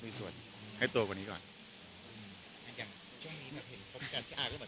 มีส่วนให้ตัวกว่านี้ก่อนอืมอันยังช่วงนี้แบบเห็นสมกันพี่อา